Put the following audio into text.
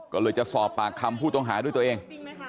ก็เลยจะสอบปากคำผู้ต้องหาด้วยตัวเอง